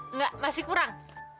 enggak masih kurang